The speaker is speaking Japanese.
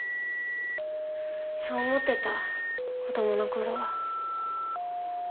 そう思ってた子供の頃は。